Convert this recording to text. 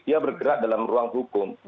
dia bergerak dalam ruang hukum